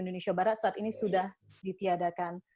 indonesia barat saat ini sudah ditiadakan